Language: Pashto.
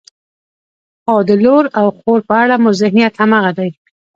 خو د لور او خور په اړه مو ذهنیت همغه دی.